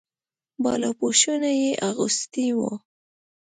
بالاپوشونه یې اغوستي وو.